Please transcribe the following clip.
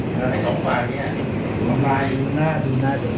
ทำให้สองฝ่ายเนี่ยมันกลายหน้าดูหน้าเด็ก